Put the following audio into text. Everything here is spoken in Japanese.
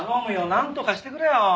なんとかしてくれよ。